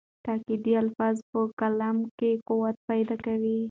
تاکېدي الفاظ په کلام کې قوت پیدا کوي.